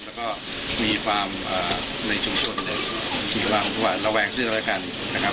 แล้วก็มีความในชุมชนมีความระแวงสิทธิ์ร้ายกัน